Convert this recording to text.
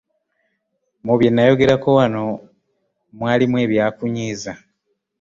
Mu bye nayogerako wano mwalimu ebyakunyiiza?